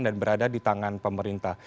dan berada di tangan pemerintah